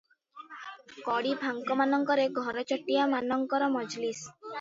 କଡ଼ି ଫାଙ୍କମାନଙ୍କରେ ଘରଚଟିଆ ମାନଙ୍କର ମଜଲିସ୍ ।